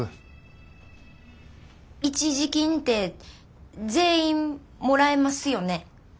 一時金って全員もらえますよね？